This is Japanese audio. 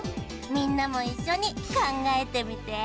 みんなもいっしょにかんがえてみて。